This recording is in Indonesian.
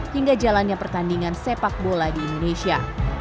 hingga jalannya pertandingan sepak bola di indonesia